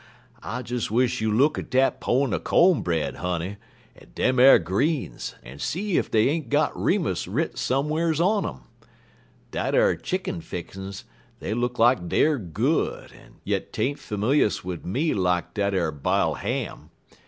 I des wish you look at dat pone er co'n bread, honey, en dem ar greens, en see ef dey ain't got Remus writ some'rs on um. Dat ar chick'n fixin's, dey look lak deyer good, yet 'taint familious wid me lak dat ar bile ham.